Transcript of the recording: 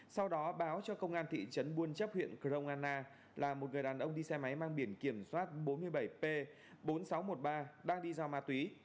sau đó báo cho công an thị trấn buôn chấp huyện crong anna là một người đàn ông đi xe máy mang biển kiểm soát bốn mươi bảy p bốn nghìn sáu trăm một mươi ba đang đi giao ma túy